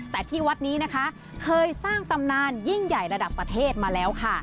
แต่ที่วัดนี้นะคะเคยสร้างตำนานยิ่งใหญ่ระดับประเทศมาแล้วค่ะ